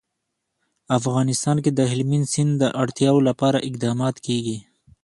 افغانستان کې د هلمند سیند د اړتیاوو لپاره اقدامات کېږي.